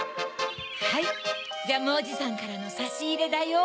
はいジャムおじさんからのさしいれだよ。